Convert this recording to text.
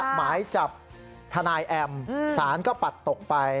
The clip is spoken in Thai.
หมายจับทนายแอมสารก็ปัดตกไป